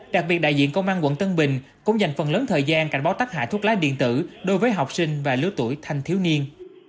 đặc biệt đại diện công an quận tân bình cũng dành phần lớn thời gian cảnh báo tác hại thuốc lá điện tử đối với học sinh và lứa tuổi thanh thiếu niên